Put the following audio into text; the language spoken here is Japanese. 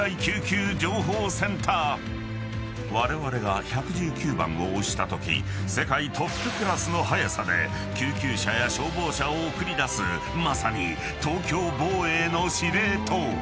［われわれが１１９番を押したとき世界トップクラスの早さで救急車や消防車を送り出すまさに東京防衛の司令塔］